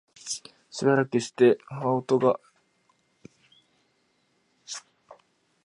しばらくして、羽音が烈しくなったかと思うと、箱はまるで風の中の看板のようにひどく揺れだしました。